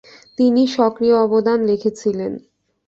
তিনি সক্রিয় অবদান রেখেছিলেন।